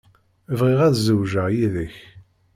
Bɣiɣ ad zewǧeɣ yid-k.